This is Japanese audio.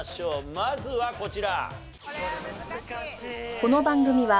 まずはこちら。